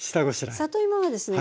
里芋はですね